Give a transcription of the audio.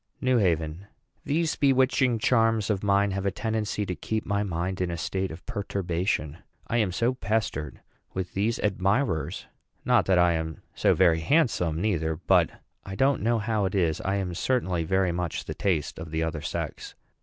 NEW HAVEN. These bewitching charms of mine have a tendency to keep my mind in a state of perturbation. I am so pestered with these admirers! Not that I am so very handsome neither; but, I don't know how it is, I am certainly very much the taste of the other sex.